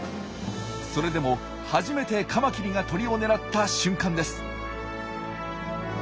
それでも初めてカマキリが鳥を狙った瞬間です。